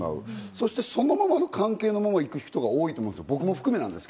そしてそのままの関係のまま行く人が多いと思うんです、僕も含めて。